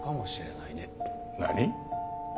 何？